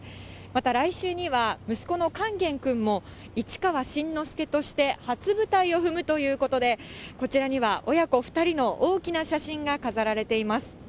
また、来週には息子の勸玄君も市川新之助として初舞台を踏むということで、こちらには親子２人の大きな写真が飾られています。